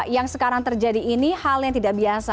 yang sekarang terjadi ini hal yang tidak biasa